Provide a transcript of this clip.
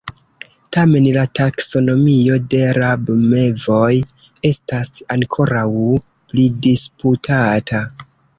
Tamen la taksonomio de rabmevoj estas ankoraŭ pridisputata.